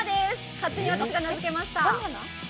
勝手に私が名づけました。